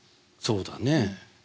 そうだねえ。